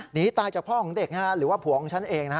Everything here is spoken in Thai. หนีตายจากพ่อของเด็กหรือว่าผัวของฉันเอง